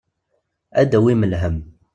Ad d-awin lhemm.